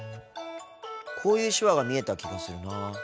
こういう手話が見えた気がするなぁ。